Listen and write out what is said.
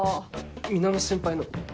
源先輩の？